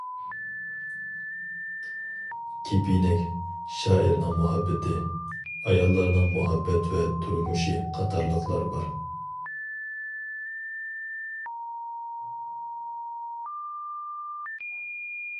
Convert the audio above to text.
«كېپىنەك» ، «شائىرنىڭ مۇھەببىتى» ، «ئاياللارنىڭ مۇھەببەت ۋە تۇرمۇشى» قاتارلىقلار بار.